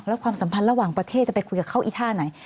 แล้วความสัมพันธ์ระหว่างประเทศจะไปคุยกับเขาอีท่าไหน